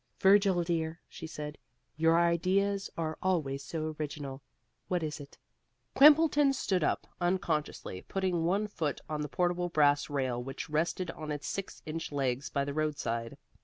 "Virgil dear," she said, "your ideas are always so original. What is it?" Quimbleton stood up, unconsciously putting one foot on the portable brass rail which rested on its six inch legs by the roadside.